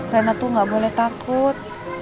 rena tuh gak boleh takut